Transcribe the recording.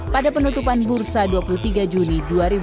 pada penutupan bursa dua puluh tiga juni dua ribu dua puluh